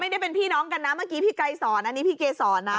ได้เป็นพี่น้องกันนะเมื่อกี้พี่ไกรสอนอันนี้พี่เกศรนะ